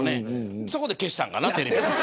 そこで消したのかな、テレビ。